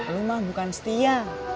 lu mah bukan setia